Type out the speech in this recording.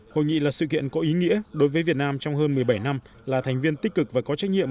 hội nghị là sự kiện có ý nghĩa đối với việt nam trong hơn một mươi bảy năm là thành viên tích cực và có trách nhiệm